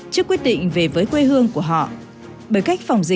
chứ quyết định về với quê hương của họ